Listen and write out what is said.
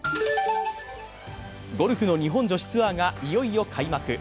ゴルフの日本女子ツアーがいよいよ開幕。